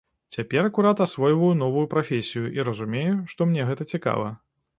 Цяпер акурат асвойваю новую прафесію і разумею, што мне гэта цікава.